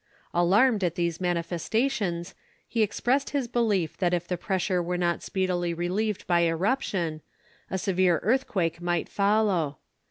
Alarmed at these manifestations, he expressed his belief that if the pressure were not speedily relieved by eruption, a severe earthquake might follow.